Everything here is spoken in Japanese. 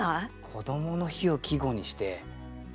「こどもの日」を季語にして少子化を？